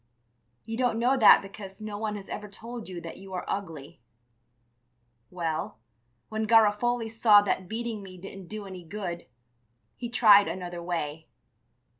You don't know that because no one has ever told you that you are ugly. Well, when Garofoli saw that beating me didn't do any good, he tried another way.